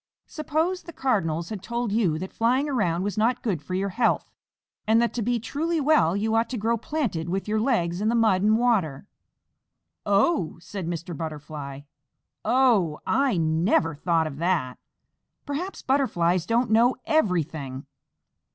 Suppose the Cardinals had told you that flying around was not good for your health, and that to be truly well you ought to grow planted with your legs in the mud and water." "Oh!" said Mr. Butterfly, "Oh! I never thought of that. Perhaps Butterflies don't know everything."